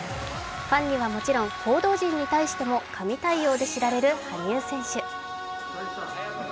ファンにはもちろん報道陣に対しても神対応で知られる羽生選手。